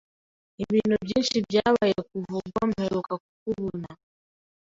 Ibintu byinshi byabaye kuva ubwo mperuka kukubona.